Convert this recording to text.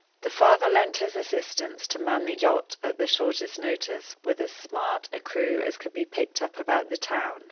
The father lent his assistance to man the yacht at the shortest notice with as smart a crew as could be picked up about the town.